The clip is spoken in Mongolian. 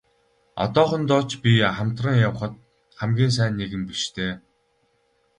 Одоохондоо ч би хамтран явахад хамгийн сайн нэгэн биш дээ.